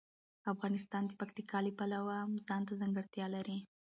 افغانستان د پکتیکا د پلوه ځانته ځانګړتیا لري.